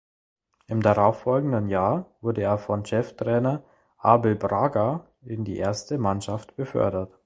Im darauffolgenden Jahr wurde er von Cheftrainer Abel Braga in die erste Mannschaft befördert.